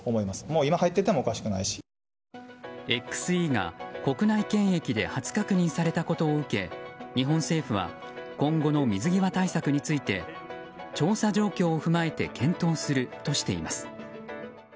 ＸＥが国内検疫で初確認されたことを受け日本政府は今後の水際対策について調査状況を踏まえて検討するとしています。